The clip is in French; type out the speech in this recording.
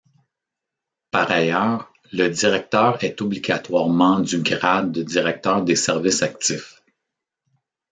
Par ailleurs, le directeur est obligatoirement du grade de directeur des services actifs.